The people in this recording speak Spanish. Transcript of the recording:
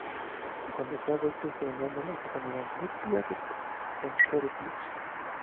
Cuando fue adulto, se unió al negocio familiar de The Theatre en Shoreditch.